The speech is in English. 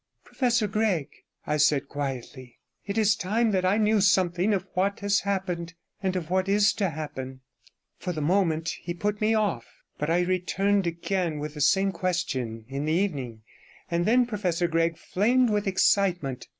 'Professor Gregg,' I said quietly, 'it is time that I knew something of what has happened, and of what is to happen.' For the moment he put me off, but I returned again with the same question in the evening, and then Professor Gregg flamed with excitement.